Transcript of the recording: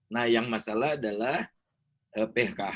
nah yang terlihat di layar ini adalah data yang terlihat di layar ini